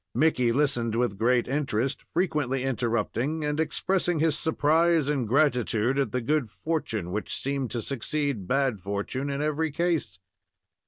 Mickey listened with great interest, frequently interrupting and expressing his surprise and gratitude at the good fortune which seemed to succeed bad fortune in every case.